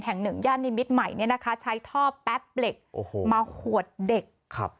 แห่งหนึ่งย่านในมิตรใหม่ใช้ท่อแป๊บเหล็กมาหวดเด็ก